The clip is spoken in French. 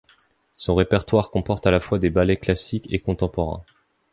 Son répertoire comporte à la fois des ballets classiques et contemporains.